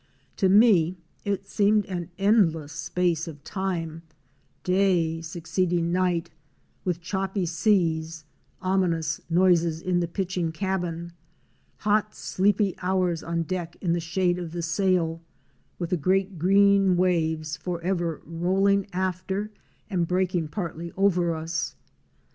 To me it seemed an endless space of time — day succeeding night—with choppy seas, ominous noises in the pitching cabin, hot sleepy hours on deck in the shade of the sail, with the great green waves forever rolling after and breaking partly over us.